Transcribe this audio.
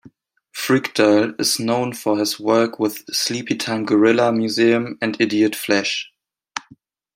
Frykdahl is known for his work with Sleepytime Gorilla Museum and Idiot Flesh.